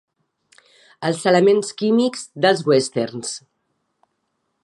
Els elements químics dels westerns.